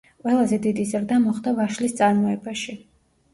ყველაზე დიდი ზრდა მოხდა ვაშლის წარმოებაში.